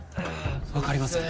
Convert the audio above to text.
分かりません